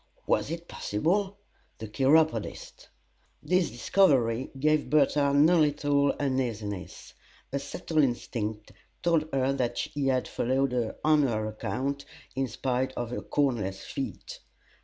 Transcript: Was it possible? The Chiropodist! This discovery gave Bertha no little uneasiness. A subtle instinct told her that he had followed on her account, in spite of her cornless feet.